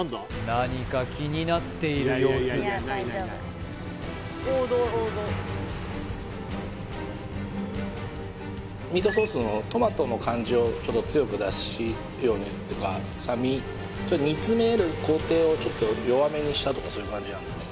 何か気になっている様子ミートソースのトマトの感じをちょっと強く出すようにというか酸味そういう煮詰める工程をちょっと弱めにしたとかそういう感じなんですか？